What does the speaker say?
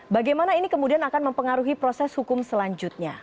bagaimana ini kemudian akan mempengaruhi proses hukum selanjutnya